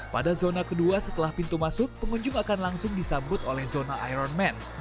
pada zona kedua setelah pintu masuk pengunjung akan langsung disambut oleh zona iron man